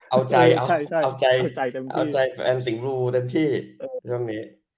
เอาใจแฟนสิงหรูเต็มที่